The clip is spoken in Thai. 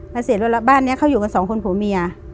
แล้วเสร็จแล้วบ้านนี้เขาอยู่กันสองคนผัวเมีย